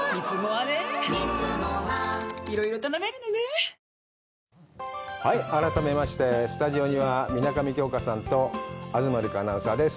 ハイ、改めまして、スタジオには水上京香さんと東留伽アナウンサーです。